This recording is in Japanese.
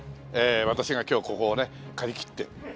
私が今日ここをね貸り切って。